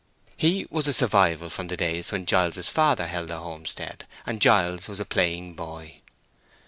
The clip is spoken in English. He was a survival from the days when Giles's father held the homestead, and Giles was a playing boy.